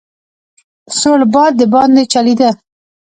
سوړ باد دباندې چلېده.